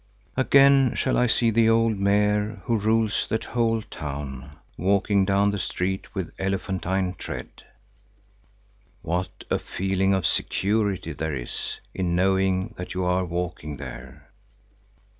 Again shall I see the old Mayor who rules the whole town walking down the street with elephantine tread. What a feeling of security there is in knowing that you are walking there!